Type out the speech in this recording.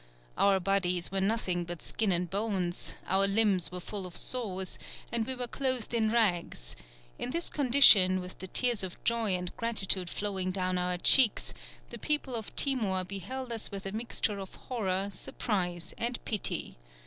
Our bodies were nothing but skin and bones, our limbs were full of sores, and we were clothed in rags; in this condition, with the tears of joy and gratitude flowing down our cheeks, the people of Timor beheld us with a mixture of horror, surprise, and pity....